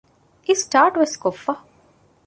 އިސްޓާޓުވެސް ކޮށްފަ